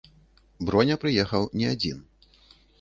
Броня прыехаў не адзін.